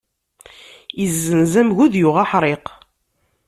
Izzenz amgud, yuɣ aḥriq.